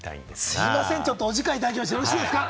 すみません、ちょっとお時間いただいて、よろしいですか？